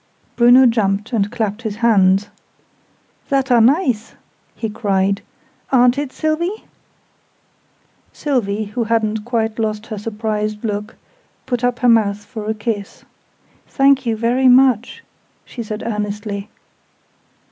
Bruno jumped, and clapped his hands. "That are nice!" he cried. "Aren't it, Sylvie?" Sylvie, who hadn't quite lost her surprised look, put up her mouth for a kiss. "Thank you very much," she said earnestly.